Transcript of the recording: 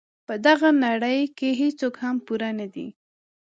په دغه نړۍ کې هیڅوک هم پوره نه دي.